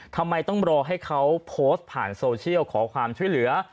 ทำไมต้องรอให้เขาโพสต์ผ่านโซเชียลขอความช่วยเหลือ